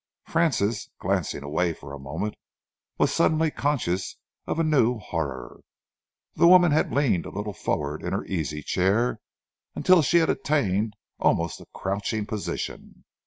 Francis, glancing away for a moment, was suddenly conscious of a new horror. The woman had leaned a little forward in her easy chair until she had attained almost a crouching position.